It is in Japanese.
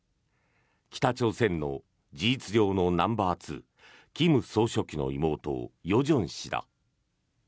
北朝鮮の事実上のナンバーツー金総書記の妹・与正氏だ。